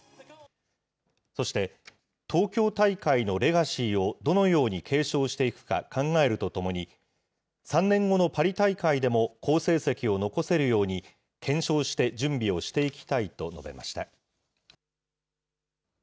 そして、東京大会のレガシーをどのように継承していくか考えるとともに、３年後のパリ大会でも好成績を残せるように、検証して準備をしていきたいと述べました。